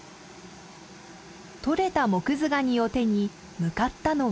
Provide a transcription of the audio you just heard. とれたモクズガニを手に向かったのは。